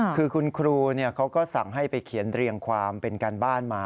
คือคุณครูเขาก็สั่งให้ไปเขียนเรียงความเป็นการบ้านมา